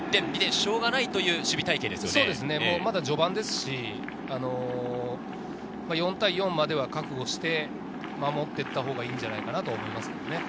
そうですね、まだ序盤ですし、４対４までは覚悟して守っていたほうがいいのではないかと思います。